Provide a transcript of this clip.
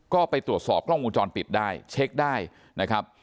ก็ไปตรวจสอบกล้องวงจรปิดได้เช็คได้นะครับ